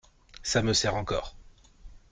Ca me serre encore…